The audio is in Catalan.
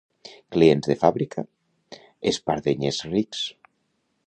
Clients de fàbrica, espardenyers rics.